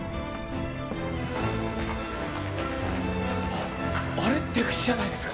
ああれ出口じゃないですか？